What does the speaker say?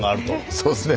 そうですね。